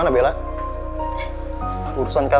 nah inilah pantu pindahang kita